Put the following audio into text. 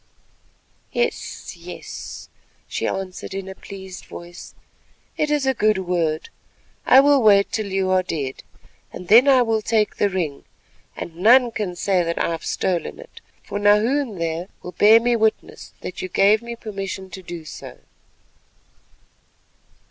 "Yes, yes," she answered in a pleased voice, "it is a good word. I will wait till you are dead and then I will take the ring, and none can say that I have stolen it, for Nahoon there will bear me witness that you gave me permission to do so."